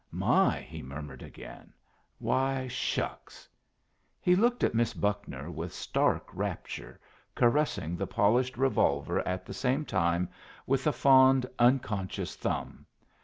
"My!" he murmured again. "Why, shucks!" He looked at Miss Buckner with stark rapture, caressing the polished revolver at the same time with a fond, unconscious thumb.